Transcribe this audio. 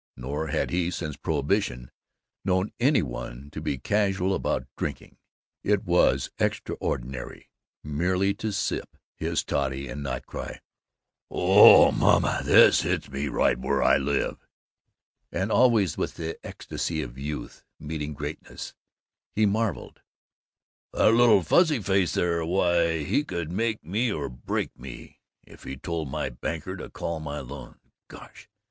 Nor had he, since prohibition, known any one to be casual about drinking. It was extraordinary merely to sip his toddy and not cry, "Oh, maaaaan, this hits me right where I live!" And always, with the ecstasy of youth meeting greatness, he marveled, "That little fuzzy face there, why, he could make me or break me! If he told my banker to call my loans ! Gosh!